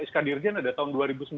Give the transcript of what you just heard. sk dirjen ada tahun dua ribu sembilan